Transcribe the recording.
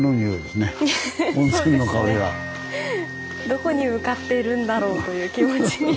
どこに向かっているんだろうという気持ちに。